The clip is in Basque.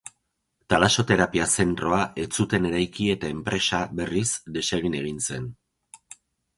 Talasoterapia zentroa ez zuten eraiki eta enpresa, berriz, desegin egin zen.